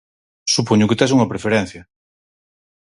Supoño que tes unha preferencia.